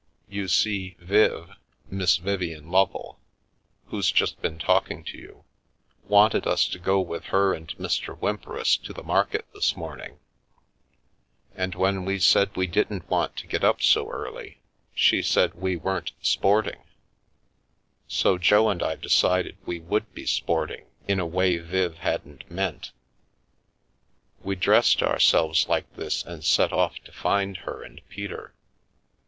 "You see, Viv — Miss Vivien Lovel, who's just been talking to you — wanted us to go with her and Mr. Whymperis to the market this morning, and when we said we didn't want to get up so early she said we weren't sporting, so Jo and I decided we would be sport ing in a way Viv hadn't meant. We dressed ourselves like this and set off to find her and Peter.